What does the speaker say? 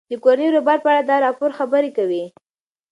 د کورني روباټ په اړه دا راپور خبرې کوي.